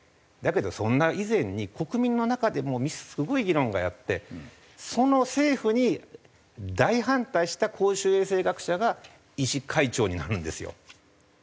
だけどそんな以前に国民の中でもすごい議論があってその政府に大反対した公衆衛生学者が医師会長になるんですよ。